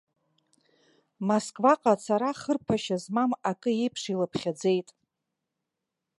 Мосваҟа ацара хырԥашьа змам акы еиԥш илыԥхьаӡеит.